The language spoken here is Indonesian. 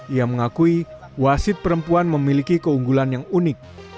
ia mengakui wasit perempuan memiliki keunggulan yang unik